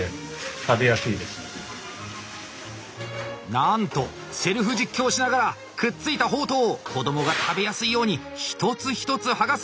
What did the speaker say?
なんとセルフ実況しながらくっついたほうとうを子どもが食べやすいように一つ一つ剥がす！